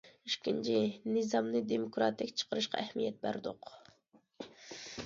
ئىككىنچى، نىزامنى دېموكراتىك چىقىرىشقا ئەھمىيەت بەردۇق.